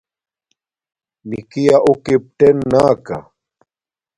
نِکِݵ یݳ اُݸ کݵپٹݵن نݳکݳ.